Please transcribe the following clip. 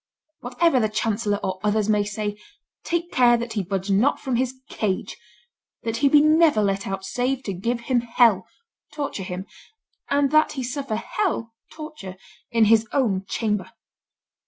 Whatever the chancellor or others may say, take care that he budge not from his cage, that he be never let out save to give him hell (torture him), and that he suffer hell (torture) in his own chamber."